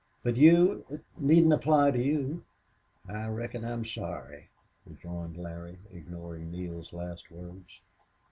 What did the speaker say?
"But you it needn't apply to you." "I reckon I'm sorry," rejoined Larry, ignoring Neale's last words.